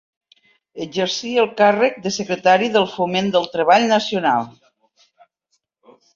Exercí el càrrec de secretari del Foment del Treball Nacional.